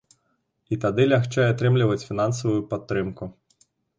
І тады лягчэй атрымліваць фінансавую падтрымку.